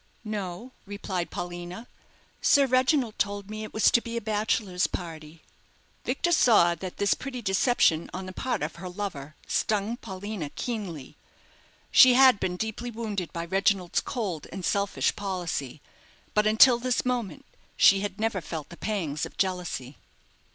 "No," replied Paulina. "Sir Reginald told me it was to be a bachelors' party." Victor saw that this petty deception on the part of her lover stung Paulina keenly. She had been deeply wounded by Reginald's cold and selfish policy; but until this moment she had never felt the pangs of jealousy.